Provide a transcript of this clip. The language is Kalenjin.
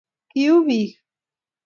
kiuu biik